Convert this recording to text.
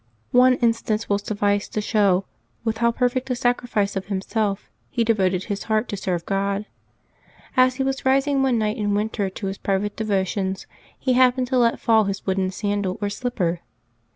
One instance will suffice to show with how perfect a sacrifice of himself he devoted his heart to serve God. As he was rising one night in winter to his private devotions, he happened to let fall his wooden sandal or slipper.